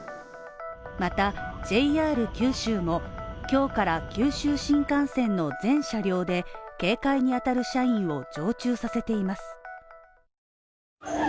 また、ＪＲ九州も今日から九州新幹線の全車両で警戒に当たる社員を常駐させています。